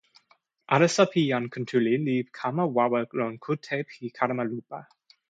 alasa pi jan Kuntuli li kama wawa lon kute pi kalama lupa.